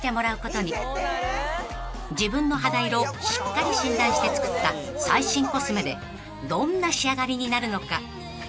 ［自分の肌色をしっかり診断して作った最新コスメでどんな仕上がりになるのか］